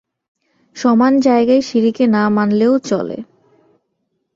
সমান জায়গায় সিঁড়িকে না মানলেও চলে।